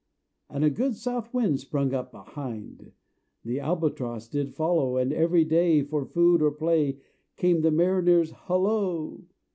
And a good south wind sprung up behind; The Albatross did follow, And every day, for food or play, Came to the mariners' hollo!